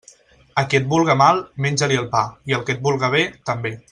A qui et vulga mal, menja-li el pa, i al que et vulga bé, també.